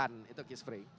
tidak merusak permukaan